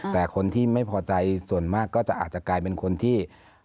แต่คนที่ไม่พอใจส่วนมากก็จะอาจจะกลายเป็นคนที่